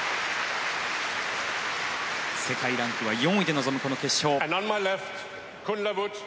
世界ランクは４位で臨むこの決勝。